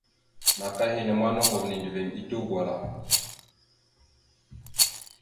Naka henne ma noŋgov nendəviŋ etew gwala.